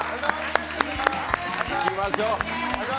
行きましょう！